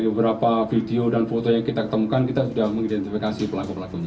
beberapa video dan foto yang kita temukan kita sudah mengidentifikasi pelaku pelakunya